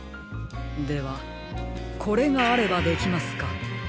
ではこれがあればできますか？